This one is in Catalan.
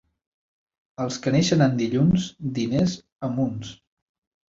Els que neixen en dilluns, diners a munts.